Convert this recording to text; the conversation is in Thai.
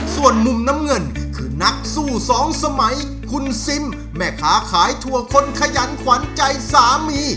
ส่วนมุมน้ำเงินคือนักสู้สองสมัยคุณซิมแม่ค้าขายถั่วคนขยันขวัญใจสามี